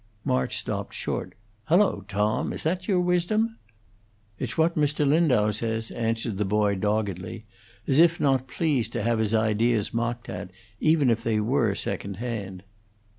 March stopped short. "Hallo, Tom! Is that your wisdom?" "It's what Mr. Lindau says," answered the boy, doggedly, as if not pleased to have his ideas mocked at, even if they were second hand.